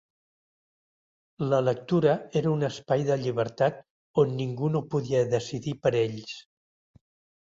La lectura era un espai de llibertat on ningú no podia decidir per ells.